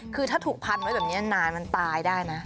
คือถ้าถูกพันไว้แบบนี้นานมันตายได้นะ